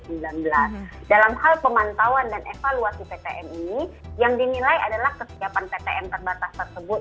pertama diantara pengetahuan dan evaluasi ptm ini yang dinilai adalah kesiapan ptm terbatas tersebut